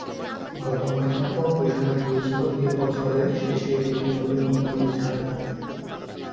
গত মাসে অ্যাপল ঘোষণা দিয়েছিল এ বছরের শেষের দিকে নতুন ইমোজি ছাড়বে।